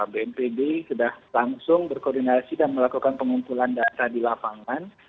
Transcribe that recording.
bnpb sudah langsung berkoordinasi dan melakukan pengumpulan data di lapangan